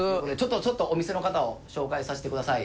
ちょっとお店の方を紹介させてください。